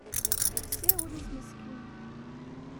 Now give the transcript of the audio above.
Wessiɛ wul-is meskin